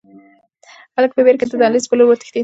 هلک په وېره کې د دهلېز په لور وتښتېد.